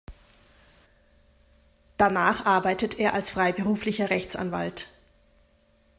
Danach arbeitet er als freiberuflicher Rechtsanwalt.